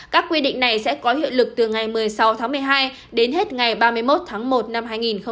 các quy định này sẽ có hiệu lực từ ngày một mươi sáu tháng một mươi hai đến hết ngày ba mươi một tháng một năm hai nghìn hai mươi